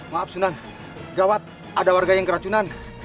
maaf sunan gawat ada warga yang keracunan